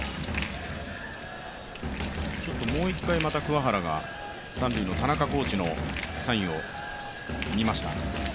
もう一回、桑原が三塁の田中コーチのサインを見ました。